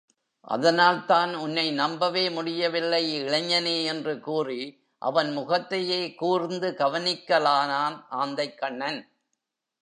அதனால்தான் உன்னை நம்ப முடியவில்லை இளைஞனே? என்று கூறி அவன் முகத்தையே கூர்ந்து கவனிக்கலானான் ஆந்தைக்கண்ணன்.